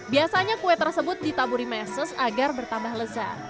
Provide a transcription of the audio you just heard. biasanya kue tersebut ditaburi meses agar bertambah lezat